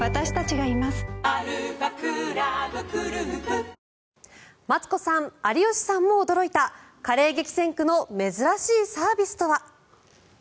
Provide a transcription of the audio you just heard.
脂肪に選べる「コッコアポ」マツコさん、有吉さんも驚いたカレー激戦区の珍しいサービスとは？